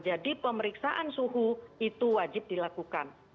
jadi pemeriksaan suhu itu wajib dilakukan